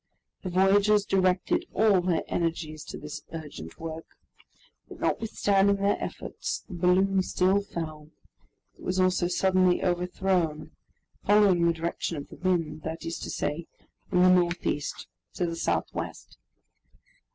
The voyagers directed all their energies to this urgent work. But, notwithstanding their efforts, the balloon still fell, and at the same time shifted with the greatest rapidity, following the direction of the wind, that is to say, from the northeast to the southwest.